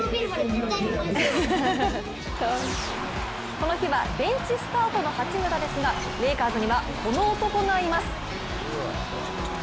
この日はベンチスタートの八村ですが、レイカーズにはこの男がいます。